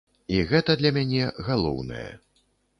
І гэта для мяне галоўнае.